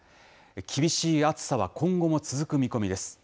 厳しい暑さは今後も続く見込みです。